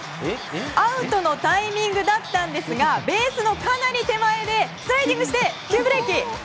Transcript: アウトのタイミングだったんですがベースのかなり手前でスライディングして急ブレーキ。